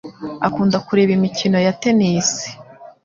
Akunda kureba imikino ya tennis